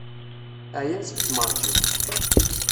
Ɛyan seg tmeṛjiwt.